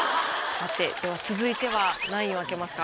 さてでは続いては何位を開けますか？